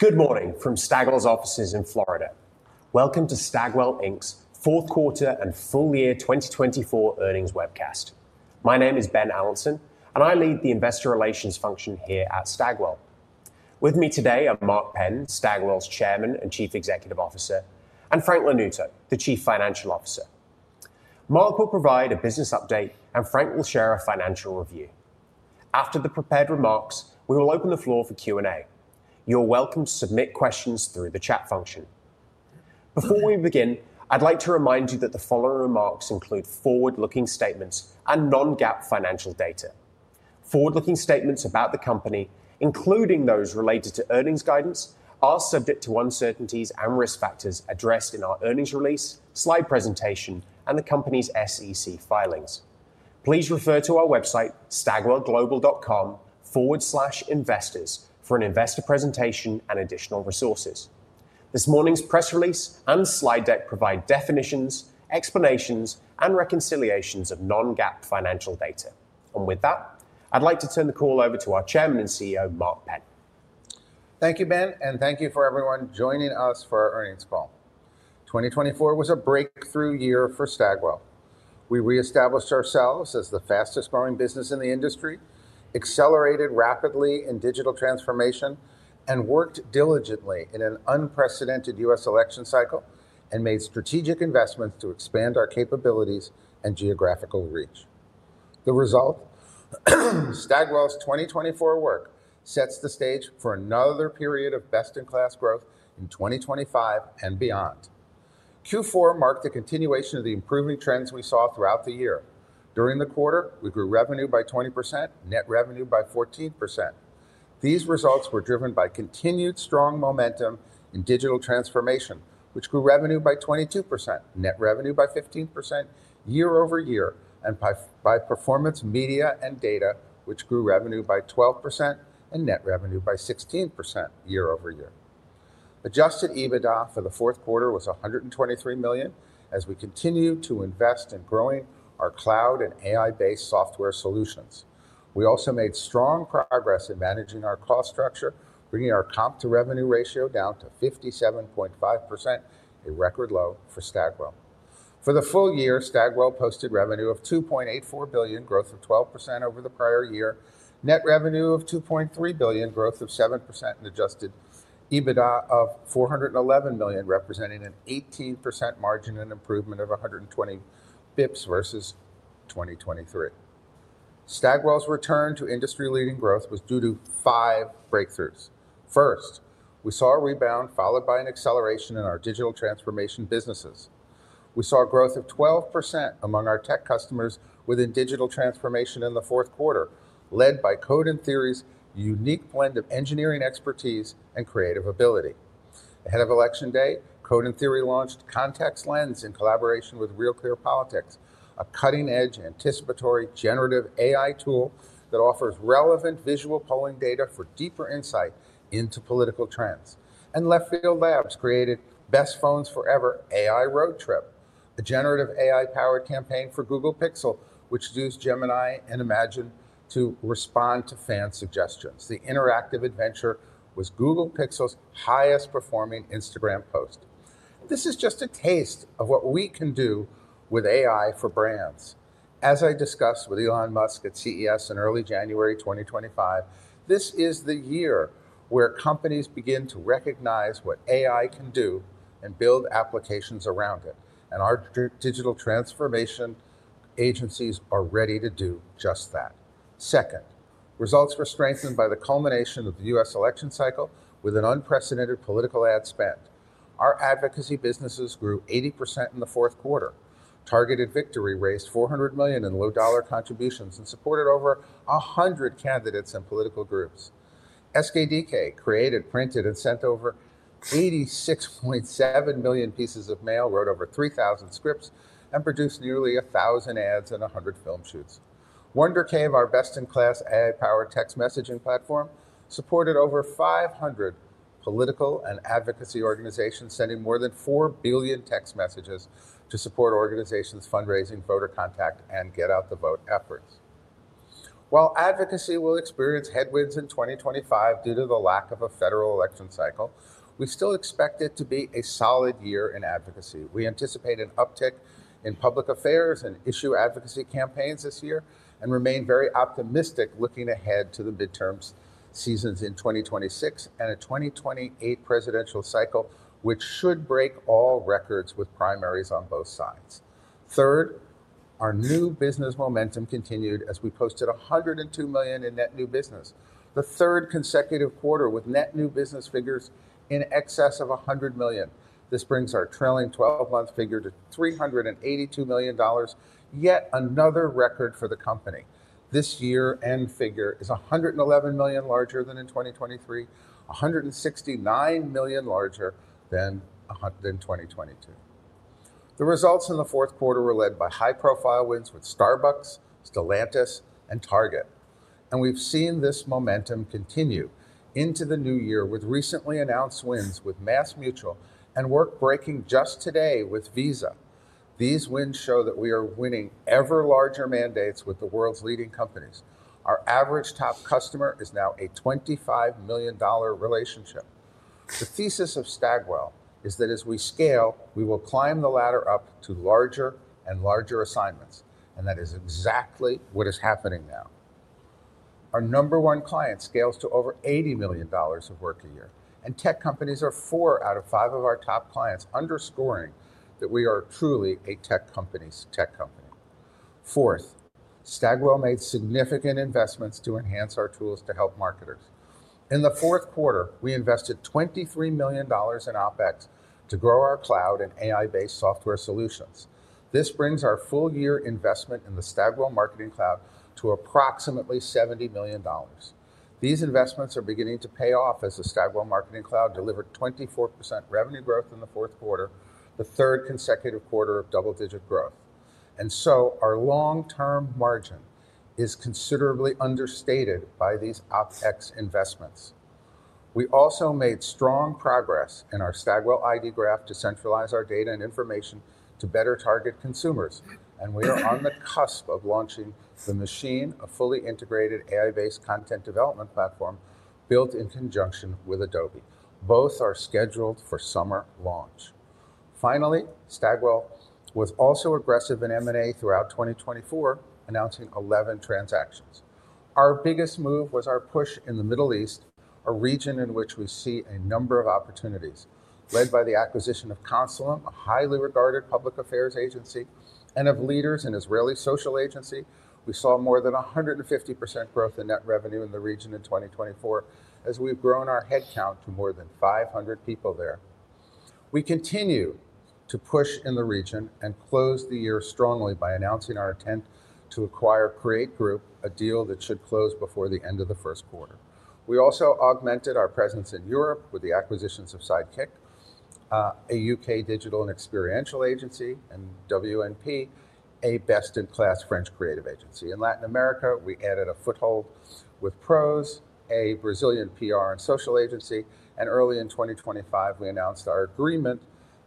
Good morning from Stagwell's offices in Florida. Welcome to Stagwell Inc's fourth quarter and full year 2024 earnings webcast. My name is Ben Allanson, and I lead the investor relations function here at Stagwell. With me today are Mark Penn, Stagwell's Chairman and Chief Executive Officer, and Frank Lanuto, the Chief Financial Officer. Mark will provide a business update, and Frank will share a financial review. After the prepared remarks, we will open the floor for Q&A. You're welcome to submit questions through the chat function. Before we begin, I'd like to remind you that the following remarks include forward-looking statements and non-GAAP financial data. Forward-looking statements about the company, including those related to earnings guidance, are subject to uncertainties and risk factors addressed in our earnings release, slide presentation, and the company's SEC filings. Please refer to our website, stagwellglobal.com/investors, for an investor presentation and additional resources. This morning's press release and slide deck provide definitions, explanations, and reconciliations of non-GAAP financial data, and with that, I'd like to turn the call over to our Chairman and CEO, Mark Penn. Thank you, Ben, and thank you for everyone joining us for our earnings call. 2024 was a breakthrough year for Stagwell. We reestablished ourselves as the fastest-growing business in the industry, accelerated rapidly in digital transformation, and worked diligently in an unprecedented U.S. election cycle, and made strategic investments to expand our capabilities and geographical reach. The result? Stagwell's 2024 work sets the stage for another period of best-in-class growth in 2025 and beyond. Q4 marked a continuation of the improving trends we saw throughout the year. During the quarter, we grew revenue by 20%, net revenue by 14%. These results were driven by continued strong momentum in digital transformation, which grew revenue by 22%, net revenue by 15% year-over-year, and by performance media and data, which grew revenue by 12% and net revenue by 16% year-over-year. Adjusted EBITDA for the fourth quarter was $123 million, as we continue to invest in growing our cloud and AI-based software solutions. We also made strong progress in managing our cost structure, bringing our comp-to-revenue ratio down to 57.5%, a record low for Stagwell. For the full year, Stagwell posted revenue of $2.84 billion, growth of 12% over the prior year, net revenue of $2.3 billion, growth of 7%, and adjusted EBITDA of $411 million, representing an 18% margin and improvement of 120 basis points versus 2023. Stagwell's return to industry-leading growth was due to five breakthroughs. First, we saw a rebound followed by an acceleration in our digital transformation businesses. We saw a growth of 12% among our tech customers within digital transformation in the fourth quarter, led by Code and Theory's unique blend of engineering expertise and creative ability. Ahead of election day, Code and Theory launched Context Lens in collaboration with RealClearPolitics, a cutting-edge anticipatory generative AI tool that offers relevant visual polling data for deeper insight into political trends. And Leftfield Labs created Best Phones Forever AI Road Trip, a generative AI-powered campaign for Google Pixel, which used Gemini and Imagen to respond to fan suggestions. The interactive adventure was Google Pixel's highest-performing Instagram post. This is just a taste of what we can do with AI for brands. As I discussed with Elon Musk at CES in early January 2025, this is the year where companies begin to recognize what AI can do and build applications around it. And our digital transformation agencies are ready to do just that. Second, results were strengthened by the culmination of the U.S. election cycle with an unprecedented political ad spend. Our advocacy businesses grew 80% in the fourth quarter. Targeted Victory raised $400 million in low-dollar contributions and supported over 100 candidates and political groups. SKDK created, printed, and sent over 86.7 million pieces of mail, wrote over 3,000 scripts, and produced nearly 1,000 ads and 100 film shoots. WonderCave, our best-in-class AI-powered text messaging platform, supported over 500 political and advocacy organizations, sending more than 4 billion text messages to support organizations fundraising, voter contact, and get-out-the-vote efforts. While advocacy will experience headwinds in 2025 due to the lack of a federal election cycle, we still expect it to be a solid year in advocacy. We anticipate an uptick in public affairs and issue advocacy campaigns this year and remain very optimistic looking ahead to the midterm seasons in 2026 and a 2028 presidential cycle, which should break all records with primaries on both sides. Third, our new business momentum continued as we posted $102 million in net new business, the third consecutive quarter with net new business figures in excess of $100 million. This brings our trailing 12-month figure to $382 million, yet another record for the company. This year-end figure is $111 million larger than in 2023, $169 million larger than in 2022. The results in the fourth quarter were led by high-profile wins with Starbucks, Stellantis, and Target, and we've seen this momentum continue into the new year with recently announced wins with MassMutual and work breaking just today with Visa. These wins show that we are winning ever-larger mandates with the world's leading companies. Our average top customer is now a $25 million relationship. The thesis of Stagwell is that as we scale, we will climb the ladder up to larger and larger assignments. That is exactly what is happening now. Our number one client scales to over $80 million of work a year. Tech companies are four out of five of our top clients, underscoring that we are truly a tech company's tech company. Fourth, Stagwell made significant investments to enhance our tools to help marketers. In the fourth quarter, we invested $23 million in OpEx to grow our cloud and AI-based software solutions. This brings our full year investment in the Stagwell Marketing Cloud to approximately $70 million. These investments are beginning to pay off as the Stagwell Marketing Cloud delivered 24% revenue growth in the fourth quarter, the third consecutive quarter of double-digit growth. So our long-term margin is considerably understated by these OpEx investments. We also made strong progress in our Stagwell ID Graph to centralize our data and information to better target consumers. And we are on the cusp of launching The Machine, a fully integrated AI-based content development platform built in conjunction with Adobe. Both are scheduled for summer launch. Finally, Stagwell was also aggressive in M&A throughout 2024, announcing 11 transactions. Our biggest move was our push in the Middle East, a region in which we see a number of opportunities. Led by the acquisition of Consulum, a highly regarded public affairs agency, and of Leaders, an Israeli social agency, we saw more than 150% growth in net revenue in the region in 2024, as we've grown our headcount to more than 500 people there. We continue to push in the region and close the year strongly by announcing our intent to acquire Create Group, a deal that should close before the end of the first quarter. We also augmented our presence in Europe with the acquisitions of Sidekick, a U.K. digital and experiential agency, and WNP, a best-in-class French creative agency. In Latin America, we added a foothold with PROS, a Brazilian PR and social agency, and early in 2025, we announced our agreement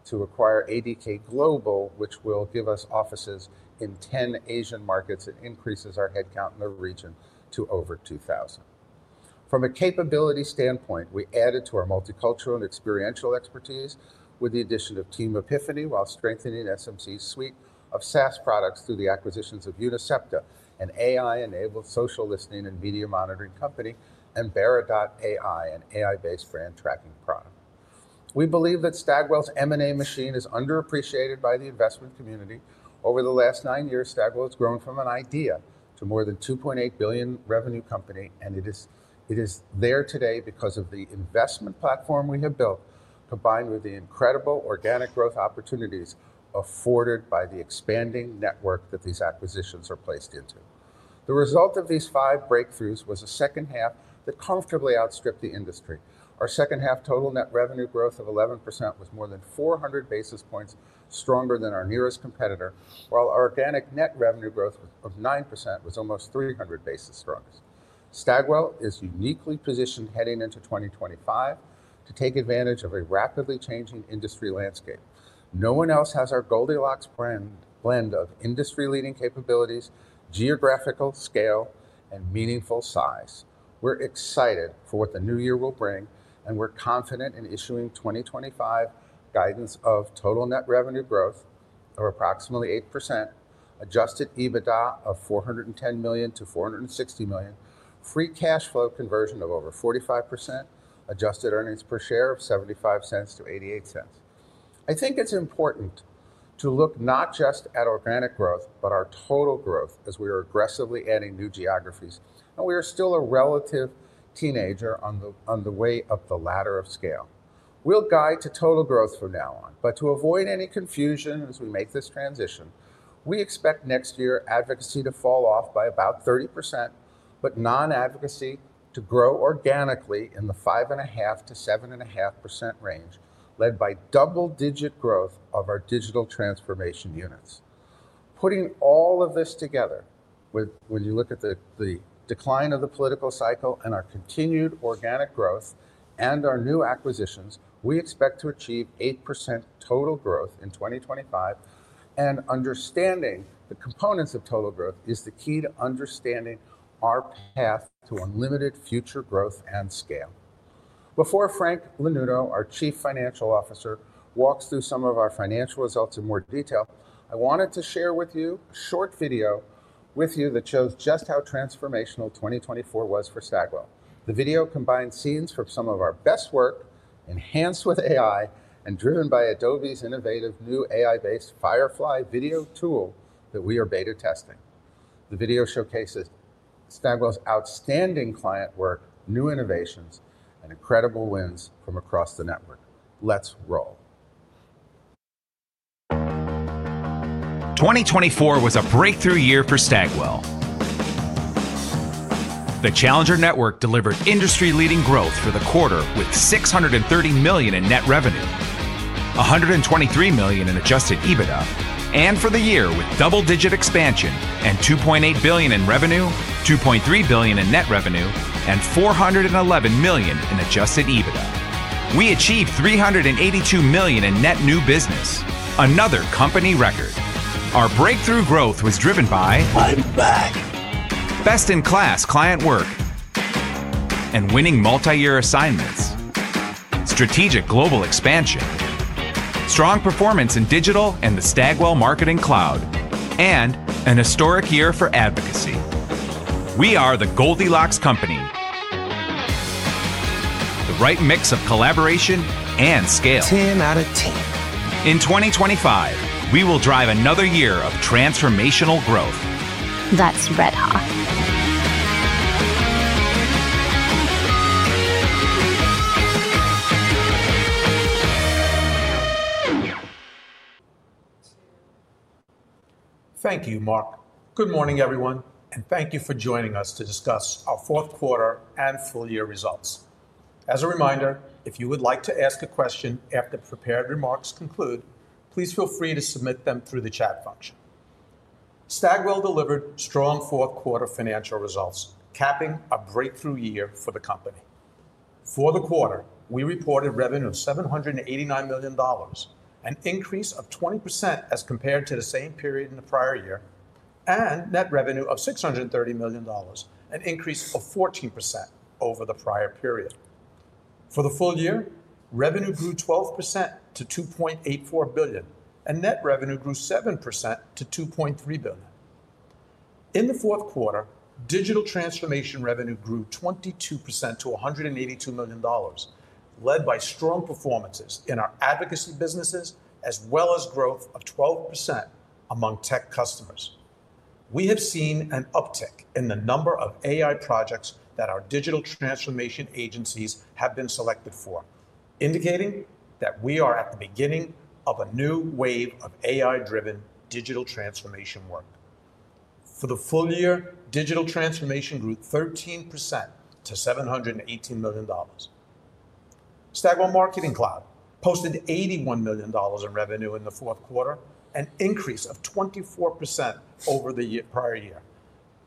to acquire ADK Global, which will give us offices in 10 Asian markets and increases our headcount in the region to over 2,000. From a capability standpoint, we added to our multicultural and experiential expertise with the addition of Team Epiphany while strengthening SMC's suite of SaaS products through the acquisitions of UNICEPTA, an AI-enabled social listening and media monitoring company, and Bera, an AI-based brand tracking product. We believe that Stagwell's M&A machine is underappreciated by the investment community. Over the last nine years, Stagwell has grown from an idea to more than $2.8 billion revenue company. And it is there today because of the investment platform we have built, combined with the incredible organic growth opportunities afforded by the expanding network that these acquisitions are placed into. The result of these five breakthroughs was a second half that comfortably outstripped the industry. Our second half total net revenue growth of 11% was more than 400 basis points stronger than our nearest competitor, while our organic net revenue growth of 9% was almost 300 basis points strongest. Stagwell is uniquely positioned heading into 2025 to take advantage of a rapidly changing industry landscape. No one else has our Goldilocks blend of industry-leading capabilities, geographical scale, and meaningful size. We're excited for what the new year will bring, and we're confident in issuing 2025 guidance of total net revenue growth of approximately 8%, adjusted EBITDA of $410 million-$460 million, free cash flow conversion of over 45%, adjusted earnings per share of $0.75-$0.88. I think it's important to look not just at organic growth, but our total growth as we are aggressively adding new geographies. And we are still a relative teenager on the way up the ladder of scale. We'll guide to total growth from now on. But to avoid any confusion as we make this transition, we expect next year advocacy to fall off by about 30%, but non-advocacy to grow organically in the 5.5%-7.5% range, led by double-digit growth of our digital transformation units. Putting all of this together, when you look at the decline of the political cycle and our continued organic growth and our new acquisitions, we expect to achieve 8% total growth in 2025, and understanding the components of total growth is the key to understanding our path to unlimited future growth and scale. Before Frank Lanuto, our Chief Financial Officer, walks through some of our financial results in more detail, I wanted to share with you a short video that shows just how transformational 2024 was for Stagwell. The video combines scenes from some of our best work, enhanced with AI and driven by Adobe's innovative new AI-based Firefly video tool that we are beta testing. The video showcases Stagwell's outstanding client work, new innovations, and incredible wins from across the network. Let's roll. 2024 was a breakthrough year for Stagwell. The challenger network delivered industry-leading growth for the quarter with $630 million in net revenue, $123 million in adjusted EBITDA, and for the year with double-digit expansion and $2.8 billion in revenue, $2.3 billion in net revenue, and $411 million in adjusted EBITDA. We achieved $382 million in net new business, another company record. Our breakthrough growth was driven by best-in-class client work and winning multi-year assignments, strategic global expansion, strong performance in digital and the Stagwell Marketing Cloud, and an historic year for advocacy. We are the Goldilocks company, the right mix of collaboration and scale. Team out of team. In 2025, we will drive another year of transformational growth. That's RedHot. Thank you, Mark. Good morning, everyone, and thank you for joining us to discuss our fourth quarter and full year results. As a reminder, if you would like to ask a question after the prepared remarks conclude, please feel free to submit them through the chat function. Stagwell delivered strong fourth quarter financial results, capping a breakthrough year for the company. For the quarter, we reported revenue of $789 million, an increase of 20% as compared to the same period in the prior year, and net revenue of $630 million, an increase of 14% over the prior period. For the full year, revenue grew 12% to $2.84 billion, and net revenue grew 7% to $2.3 billion. In the fourth quarter, digital transformation revenue grew 22% to $182 million, led by strong performances in our advocacy businesses, as well as growth of 12% among tech customers. We have seen an uptick in the number of AI projects that our digital transformation agencies have been selected for, indicating that we are at the beginning of a new wave of AI-driven digital transformation work. For the full year, digital transformation grew 13% to $718 million. Stagwell Marketing Cloud posted $81 million in revenue in the fourth quarter, an increase of 24% over the prior year,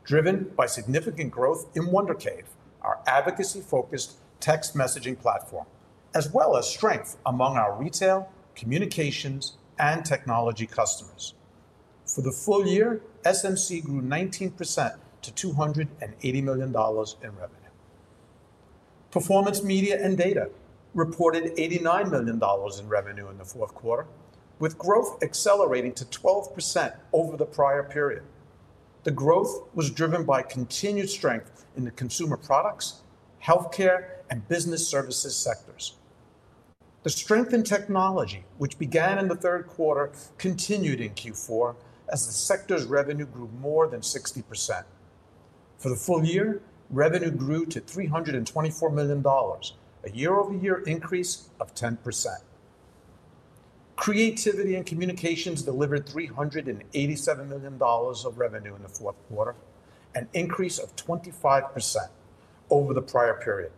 driven by significant growth in WonderCave. Our advocacy-focused text messaging platform, as well as strength among our retail, communications, and technology customers. For the full year, SMC grew 19% to $280 million in revenue. Performance media and data reported $89 million in revenue in the fourth quarter, with growth accelerating to 12% over the prior period. The growth was driven by continued strength in the consumer products, healthcare, and business services sectors. The strength in technology, which began in the third quarter, continued in Q4 as the sector's revenue grew more than 60%. For the full year, revenue grew to $324 million, a year-over-year increase of 10%. Creativity and communications delivered $387 million of revenue in the fourth quarter, an increase of 25% over the prior period.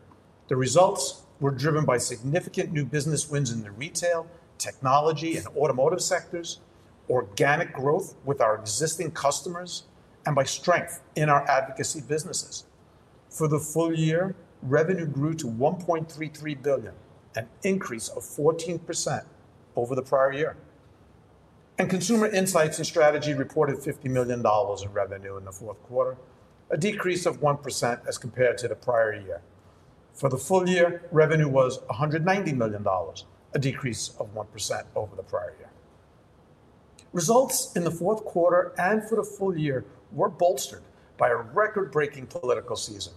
The results were driven by significant new business wins in the retail, technology, and automotive sectors, organic growth with our existing customers, and by strength in our advocacy businesses. For the full year, revenue grew to $1.33 billion, an increase of 14% over the prior year, and consumer insights and strategy reported $50 million in revenue in the fourth quarter, a decrease of 1% as compared to the prior year. For the full year, revenue was $190 million, a decrease of 1% over the prior year. Results in the fourth quarter and for the full year were bolstered by a record-breaking political season.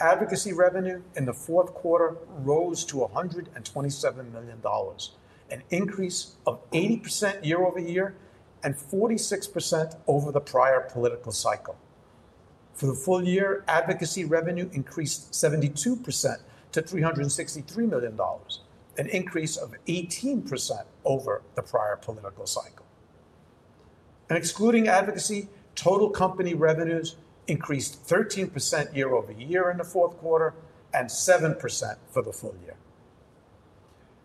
Advocacy revenue in the fourth quarter rose to $127 million, an increase of 80% year-over-year and 46% over the prior political cycle. For the full year, advocacy revenue increased 72% to $363 million, an increase of 18% over the prior political cycle. Excluding advocacy, total company revenues increased 13% year-over-year in the fourth quarter and 7% for the full year.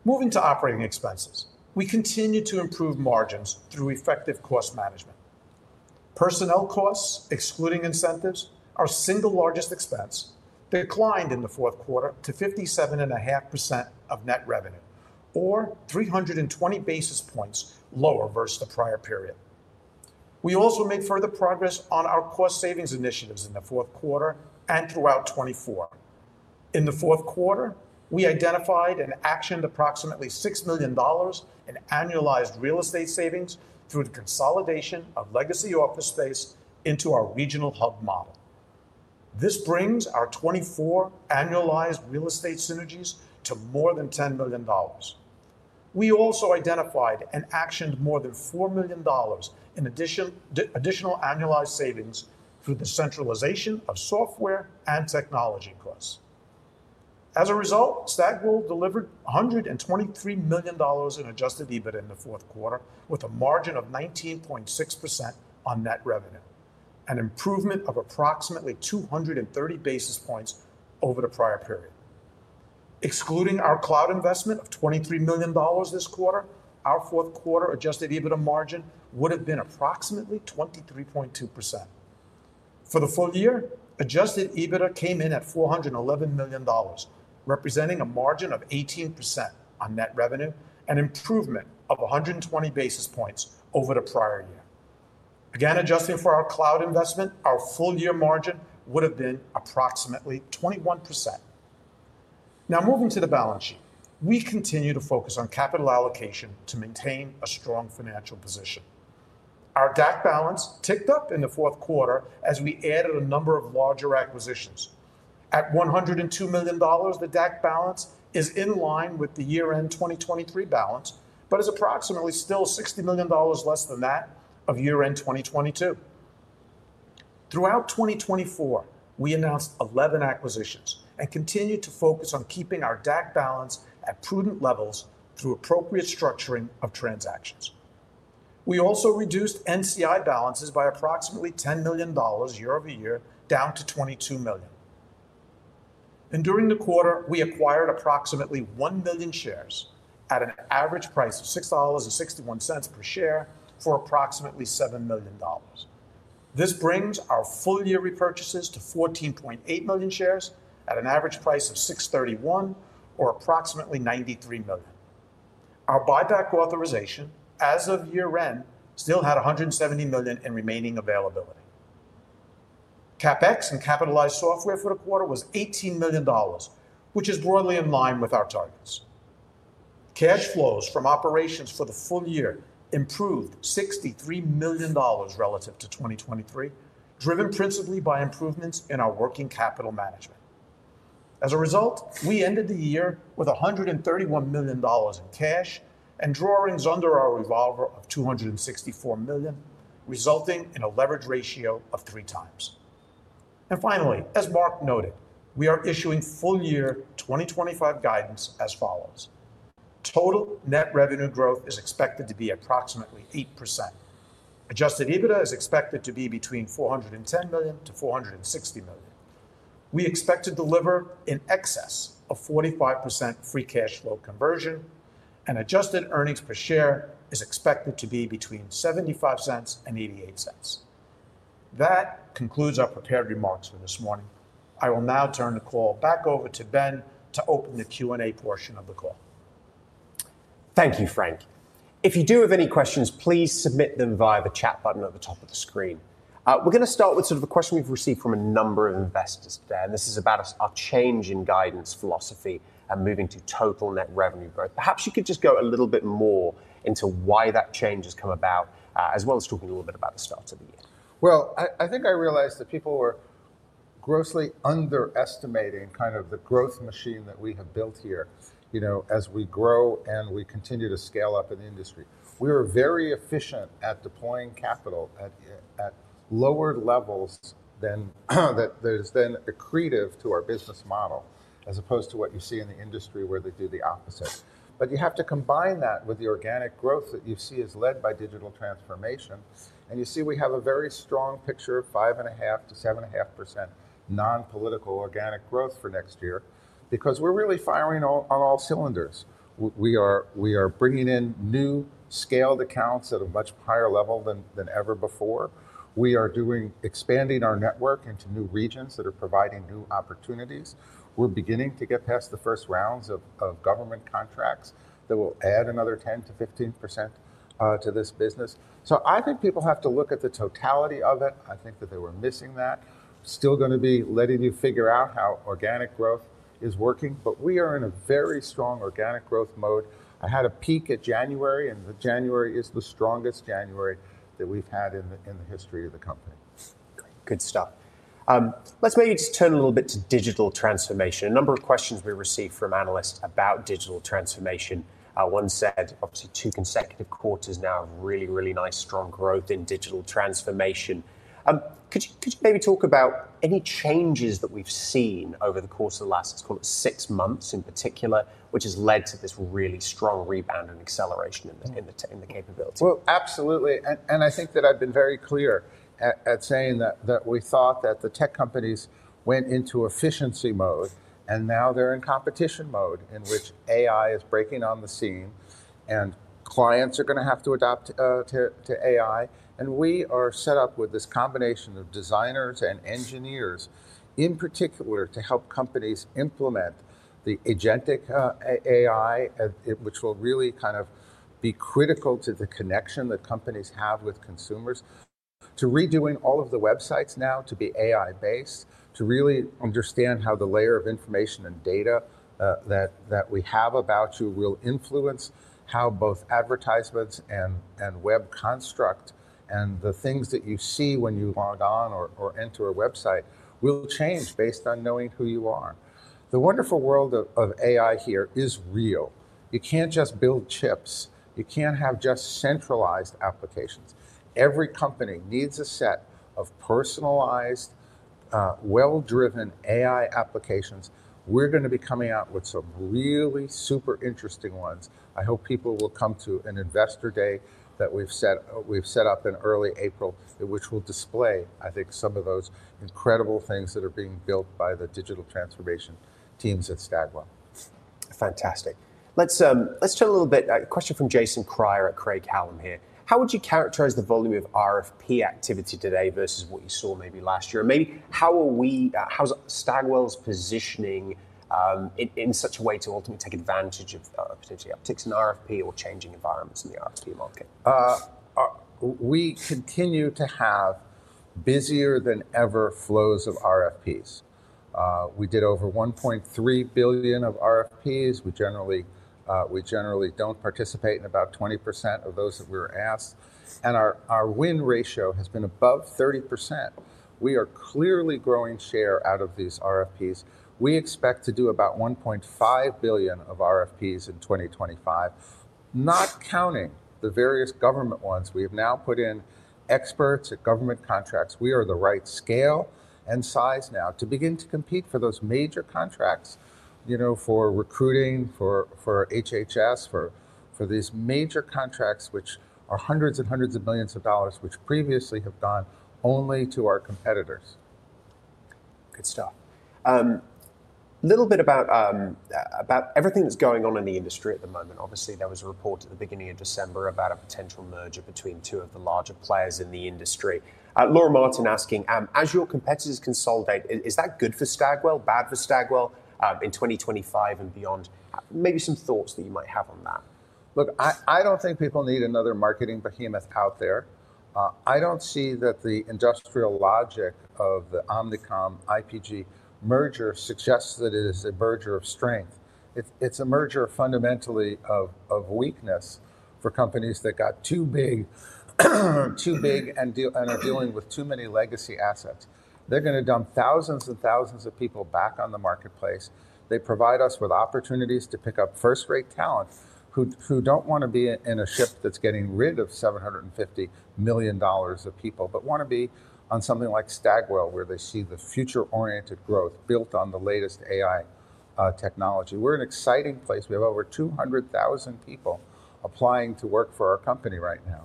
Moving to operating expenses, we continue to improve margins through effective cost management. Personnel costs, excluding incentives, our single largest expense, declined in the fourth quarter to 57.5% of net revenue, or 320 basis points lower versus the prior period. We also made further progress on our cost savings initiatives in the fourth quarter and throughout 2024. In the fourth quarter, we identified and actioned approximately $6 million in annualized real estate savings through the consolidation of legacy office space into our regional hub model. This brings our 2024 annualized real estate synergies to more than $10 million. We also identified and actioned more than $4 million in additional annualized savings through the centralization of software and technology costs. As a result, Stagwell delivered $123 million in adjusted EBITDA in the fourth quarter, with a margin of 19.6% on net revenue, an improvement of approximately 230 basis points over the prior period. Excluding our cloud investment of $23 million this quarter, our fourth quarter adjusted EBITDA margin would have been approximately 23.2%. For the full year, adjusted EBITDA came in at $411 million, representing a margin of 18% on net revenue, an improvement of 120 basis points over the prior year. Again, adjusting for our cloud investment, our full year margin would have been approximately 21%. Now, moving to the balance sheet, we continue to focus on capital allocation to maintain a strong financial position. Our DAC balance ticked up in the fourth quarter as we added a number of larger acquisitions. At $102 million, the DAC balance is in line with the year-end 2023 balance, but is approximately still $60 million less than that of year-end 2022. Throughout 2024, we announced 11 acquisitions and continued to focus on keeping our DAC balance at prudent levels through appropriate structuring of transactions. We also reduced NCI balances by approximately $10 million year-over-year, down to $22 million, and during the quarter, we acquired approximately 1 million shares at an average price of $6.61 per share for approximately $7 million. This brings our full-year repurchases to 14.8 million shares at an average price of $6.31, or approximately $93 million. Our buyback authorization, as of year-end, still had $170 million in remaining availability. CapEx and capitalized software for the quarter was $18 million, which is broadly in line with our targets. Cash flows from operations for the full year improved $63 million relative to 2023, driven principally by improvements in our working capital management. As a result, we ended the year with $131 million in cash and drawings under our revolver of $264 million, resulting in a leverage ratio of 3x. And finally, as Mark noted, we are issuing full year 2025 guidance as follows. Total net revenue growth is expected to be approximately 8%. Adjusted EBITDA is expected to be between $410 million-$460 million. We expect to deliver in excess of 45% free cash flow conversion, and adjusted earnings per share is expected to be between $0.75 and $0.88. That concludes our prepared remarks for this morning. I will now turn the call back over to Ben to open the Q&A portion of the call. Thank you, Frank. If you do have any questions, please submit them via the chat button at the top of the screen. We're going to start with sort of a question we've received from a number of investors today, and this is about our change in guidance philosophy and moving to total net revenue growth. Perhaps you could just go a little bit more into why that change has come about, as well as talking a little bit about the start of the year. Well, I think I realized that people were grossly underestimating kind of the growth machine that we have built here, you know, as we grow and we continue to scale up in the industry. We are very efficient at deploying capital at lower levels than that is then accretive to our business model, as opposed to what you see in the industry where they do the opposite. But you have to combine that with the organic growth that you see is led by digital transformation. And you see we have a very strong picture of 5.5%-7.5% non-political organic growth for next year because we're really firing on all cylinders. We are bringing in new scaled accounts at a much higher level than ever before. We are expanding our network into new regions that are providing new opportunities. We're beginning to get past the first rounds of government contracts that will add another 10%-15% to this business. So I think people have to look at the totality of it. I think that they were missing that. Still going to be letting you figure out how organic growth is working. But we are in a very strong organic growth mode. I had a peek at January, and January is the strongest January that we've had in the history of the company. Great. Good stuff. Let's maybe just turn a little bit to digital transformation. A number of questions we received from analysts about digital transformation. One said, obviously, two consecutive quarters now of really, really nice, strong growth in digital transformation. Could you maybe talk about any changes that we've seen over the course of the last, let's call it, six months in particular, which has led to this really strong rebound and acceleration in the capability? Well, absolutely. And I think that I've been very clear at saying that we thought that the tech companies went into efficiency mode, and now they're in competition mode in which AI is breaking on the scene, and clients are going to have to adapt to AI. We are set up with this combination of designers and engineers, in particular, to help companies implement the Agentic AI, which will really kind of be critical to the connection that companies have with consumers, to redoing all of the websites now to be AI-based, to really understand how the layer of information and data that we have about you will influence how both advertisements and web construct and the things that you see when you log on or enter a website will change based on knowing who you are. The wonderful world of AI here is real. You can't just build chips. You can't have just centralized applications. Every company needs a set of personalized, well-driven AI applications. We're going to be coming out with some really super interesting ones. I hope people will come to an investor day that we've set up in early April, which will display, I think, some of those incredible things that are being built by the digital transformation teams at Stagwell. Fantastic. Let's turn a little bit. A question from Jason Kreyer at Craig-Hallum Capital Group here. How would you characterize the volume of RFP activity today versus what you saw maybe last year? And maybe how are we how's Stagwell's positioning in such a way to ultimately take advantage of potentially upticks in RFP or changing environments in the RFP market? We continue to have busier-than-ever flows of RFPs. We did over $1.3 billion of RFPs. We generally don't participate in about 20% of those that we were asked. And our win ratio has been above 30%. We are clearly growing share out of these RFPs. We expect to do about $1.5 billion of RFPs in 2025, not counting the various government ones. We have now put in experts at government contracts. We are the right scale and size now to begin to compete for those major contracts, you know, for recruiting, for HHS, for these major contracts, which are hundreds and hundreds of millions of dollars, which previously have gone only to our competitors. Good stuff. A little bit about everything that's going on in the industry at the moment. Obviously, there was a report at the beginning of December about a potential merger between two of the larger players in the industry. Laura Martin asking, as your competitors consolidate, is that good for Stagwell? Bad for Stagwell in 2025 and beyond? Maybe some thoughts that you might have on that. Look, I don't think people need another marketing behemoth out there. I don't see that the industrial logic of the Omnicom-IPG merger suggests that it is a merger of strength. It's a merger, fundamentally, of weakness for companies that got too big and are dealing with too many legacy assets. They're going to dump thousands and thousands of people back on the marketplace. They provide us with opportunities to pick up first-rate talent who don't want to be in a ship that's getting rid of $750 million of people, but want to be on something like Stagwell, where they see the future-oriented growth built on the latest AI technology. We're in an exciting place. We have over 200,000 people applying to work for our company right now.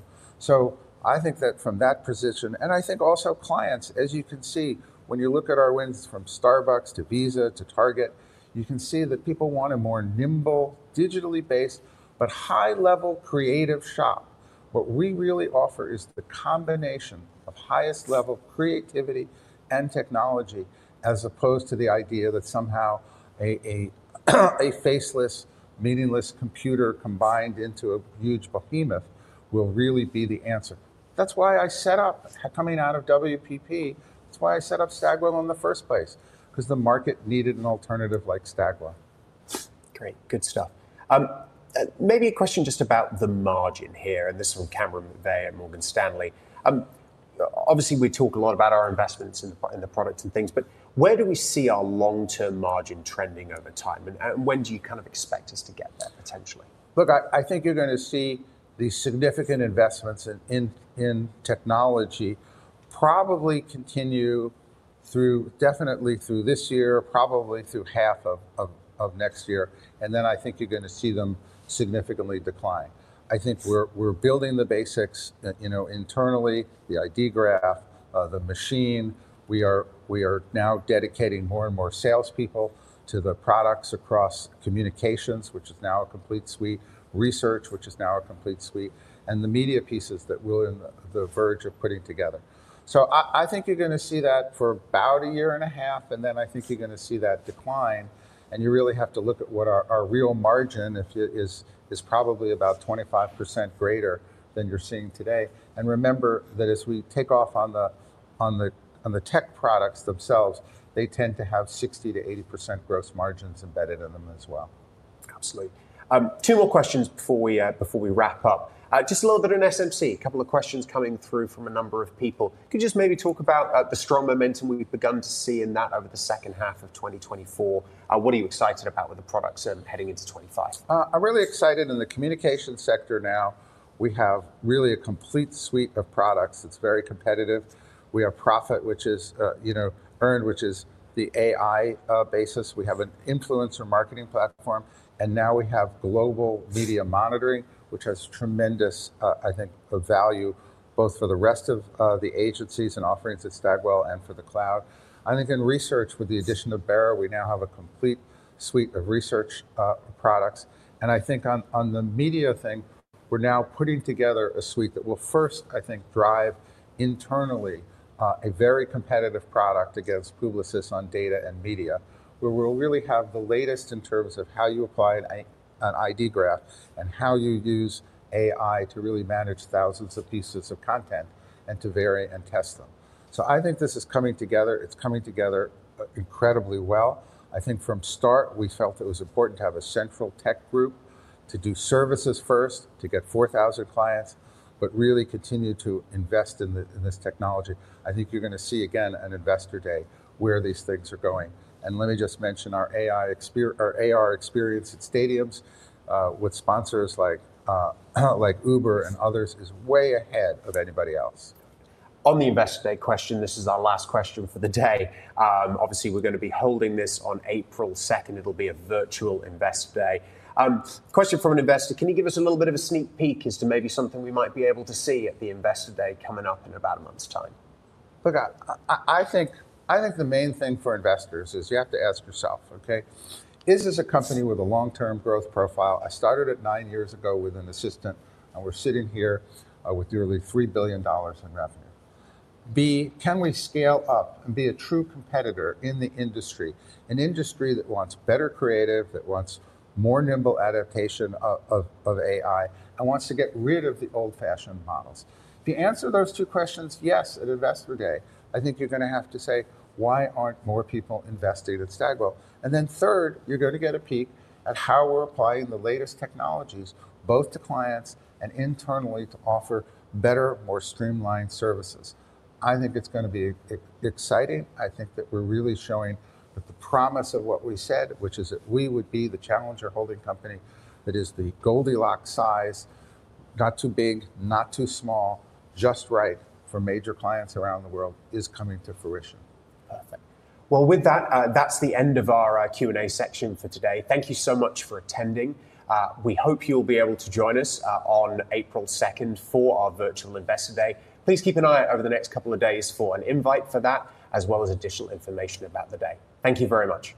I think that from that position, and I think also clients, as you can see, when you look at our wins from Starbucks to Visa to Target, you can see that people want a more nimble, digitally based, but high-level creative shop. What we really offer is the combination of highest-level creativity and technology, as opposed to the idea that somehow a faceless, meaningless computer combined into a huge behemoth will really be the answer. That's why I set up, coming out of WPP, that's why I set up Stagwell in the first place, because the market needed an alternative like Stagwell. Great. Good stuff. Maybe a question just about the margin here, and this is from Cameron McVeigh at Morgan Stanley. Obviously, we talk a lot about our investments in the product and things, but where do we see our long-term margin trending over time? When do you kind of expect us to get there, potentially? Look, I think you're going to see these significant investments in technology probably continue through definitely through this year, probably through half of next year. And then I think you're going to see them significantly decline. I think we're building the basics, you know, internally, the ID Graph, The Machine. We are now dedicating more and more salespeople to the products across communications, which is now a complete suite, research, which is now a complete suite, and the media pieces that we're on the verge of putting together. So I think you're going to see that for about a year and a half. And then I think you're going to see that decline. And you really have to look at what our real margin is, is probably about 25% greater than you're seeing today. And remember that as we take off on the tech products themselves, they tend to have 60%-80% gross margins embedded in them as well. Absolutely. Two more questions before we wrap up. Just a little bit on SMC, a couple of questions coming through from a number of people. Could you just maybe talk about the strong momentum we've begun to see in that over the second half of 2024? What are you excited about with the products heading into 2025? I'm really excited in the communication sector now. We have really a complete suite of products that's very competitive. We have PRophet, which is, you know, earned, which is the AI basis. We have an influencer marketing platform. And now we have global media monitoring, which has tremendous, I think, value, both for the rest of the agencies and offerings at Stagwell and for the cloud. I think in research, with the addition of Bera, we now have a complete suite of research products, and I think on the media thing, we're now putting together a suite that will first, I think, drive internally a very competitive product against Publicis on data and media, where we'll really have the latest in terms of how you apply an ID Graph and how you use AI to really manage thousands of pieces of content and to vary and test them, so I think this is coming together. It's coming together incredibly well. I think from start, we felt it was important to have a central tech group to do services first, to get 4,000 clients, but really continue to invest in this technology. I think you're going to see, again, an Investor Day where these things are going. Let me just mention our AR experience at stadiums with sponsors like Uber and others is way ahead of anybody else. On the investor day question, this is our last question for the day. Obviously, we're going to be holding this on April 2nd. It'll be a virtual Investor Day. Question from an investor, can you give us a little bit of a sneak peek as to maybe something we might be able to see at the investor day coming up in about a month's time? Look, I think the main thing for investors is you have to ask yourself, okay, is this a company with a long-term growth profile? I started it nine years ago with an assistant, and we're sitting here with nearly $3 billion in revenue. B, can we scale up and be a true competitor in the industry, an industry that wants better creative, that wants more nimble adaptation of AI, and wants to get rid of the old-fashioned models? The answer to those two questions, yes, at investor day. I think you're going to have to say, why aren't more people investing at Stagwell? Then third, you're going to get a peek at how we're applying the latest technologies, both to clients and internally, to offer better, more streamlined services. I think it's going to be exciting. I think that we're really showing that the promise of what we said, which is that we would be the challenger holding company that is the Goldilocks size, not too big, not too small, just right for major clients around the world, is coming to fruition. Perfect. With that, that's the end of our Q&A section for today. Thank you so much for attending. We hope you'll be able to join us on April 2nd for our virtual Investor Day. Please keep an eye out over the next couple of days for an invite for that, as well as additional information about the day. Thank you very much.